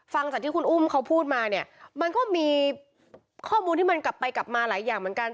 ฟังจากที่คุณอุ้มเขาพูดมาเนี่ยมันก็มีข้อมูลที่มันกลับไปกลับมาหลายอย่างเหมือนกัน